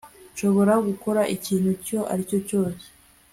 nshobora gukora ikintu icyo ari cyo cyose